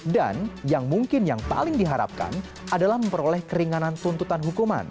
dan yang mungkin yang paling diharapkan adalah memperoleh keringanan tuntutan hukuman